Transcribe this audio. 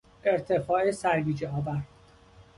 ارتفاع سرگیجهآور